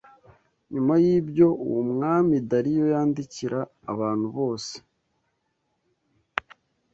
Nyuma y’ibyo Umwami Dariyo yandikira abantu bose